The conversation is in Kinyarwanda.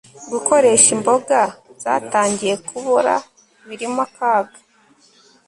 Gukoresha imboga zatangiye kubora birimo akaga